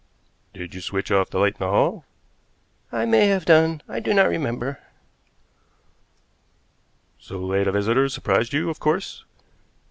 "Did you switch off the light in the hall?" "I may have done. I do not remember." "So late a visitor surprised you, of course?"